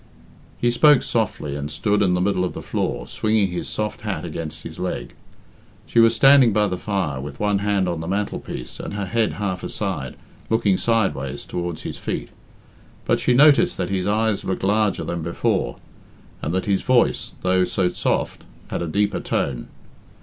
He spoke softly, and stood in the middle of the floor, swinging his soft hat against his leg. She was standing by the fire, with one hand on the mantelpiece and her head half aside, looking sideways towards his feet; but she noticed that his eyes looked larger than before, and that his voice, though so soft, had a deeper tone.